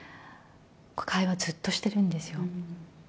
会話をずっとしてるんですよ。